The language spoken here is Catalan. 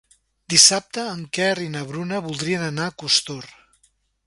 Dissabte en Quer i na Bruna voldrien anar a Costur.